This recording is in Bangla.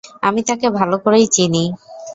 আমি তাকে ভাল করেই চিনি।